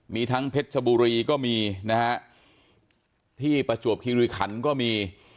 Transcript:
มีทั้งเพชรชบุรีก็มีนะฮะที่ประจวบคิริขันก็มี